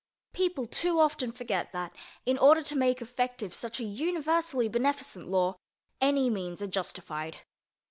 People too often forget that, in order to make effective such a universally beneficent law, any means are justified.